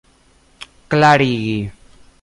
klarigi